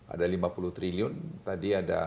ada lima puluh triliun tadi ada